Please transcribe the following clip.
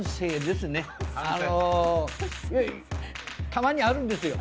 たまにあるんですよ。